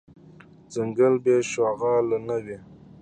ځنګل بی شغاله نه وي .